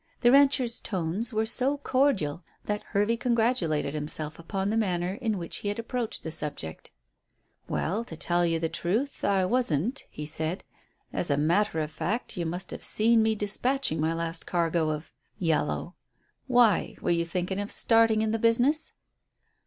The rancher's tones were so cordial that Hervey congratulated himself upon the manner in which he had approached the subject. "Well, to tell you the truth, I wasn't," he said. "As a matter of fact, you must have seen me despatching my last cargo of yellow. Why? Were you thinking of starting in the business?"